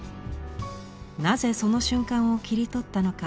なぜその瞬間を切り取ったのか？